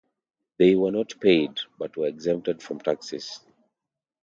They were not paid, but were exempted from taxes.